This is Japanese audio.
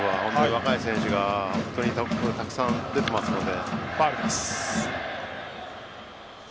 若い選手がたくさん出ているので。